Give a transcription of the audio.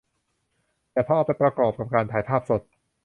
แต่พอเอาไปประกอบกับการถ่ายภาพสด